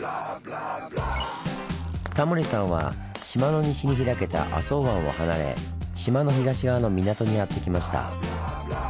タモリさんは島の西に開けた浅茅湾を離れ島の東側の港にやってきました。